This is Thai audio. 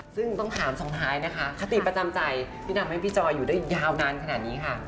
ซึ่งต้องถามส่งท้ายนะคะคติประจำใจที่ทำให้พี่จอยอยู่ได้ยาวนานขนาดนี้ค่ะ